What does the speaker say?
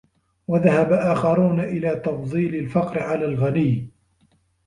وَذَهَبَ آخَرُونَ إلَى تَفْضِيلِ الْفَقْرِ عَلَى الْغِنَى